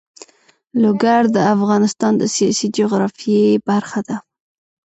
لوگر د افغانستان د سیاسي جغرافیه برخه ده.